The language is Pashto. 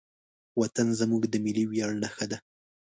وطن زموږ د ملي ویاړ نښه ده.